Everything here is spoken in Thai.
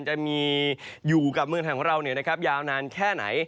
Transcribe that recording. จะมีอยู่กับเมืองทางเราเนี่ยนะครับยาวนานแค่ไหน